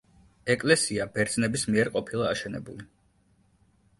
ეკლესია ბერძნების მიერ ყოფილა აშენებული.